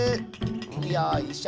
よいしょ。